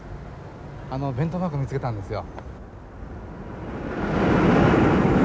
あの弁当箱見つけたんですよ。